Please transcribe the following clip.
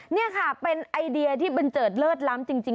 นี่ค่ะเป็นไอเดียที่บันเจิดเลิศล้ำจริง